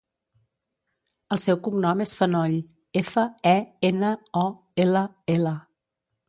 El seu cognom és Fenoll: efa, e, ena, o, ela, ela.